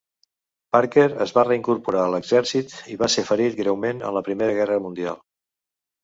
Parker es va reincorporar a l'exercit i va ser ferit greument en la Primera Gerra Mundial.